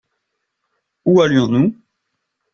Où allions-nous ?